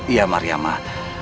iya mari amah